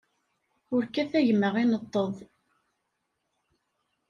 Ur kkat a gma ineṭṭeḍ.